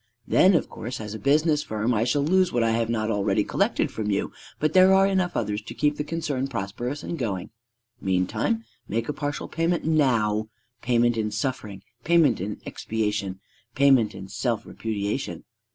Then of course as a business firm I shall lose what I have not already collected from you; but there are enough others to keep the concern prosperous and going. Meantime make a partial payment now: payment in suffering, payment in expiation, payment in self repudiation.